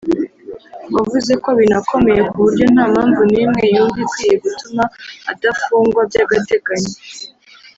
wavuze ko binakomeye ku buryo nta mpamvu n’imwe yumva ikwiye gutuma adafungwa by’agateganyo